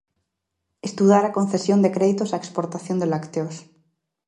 Estudar a concesión de créditos á exportación de lácteos.